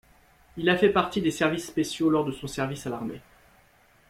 Il a fait partie des services spéciaux lors de son service à l'armée.